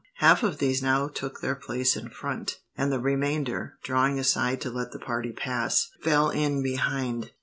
Half of these now took their place in front, and the remainder, drawing aside to let the party pass, fell in behind.